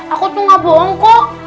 aku tuh gak bohong kok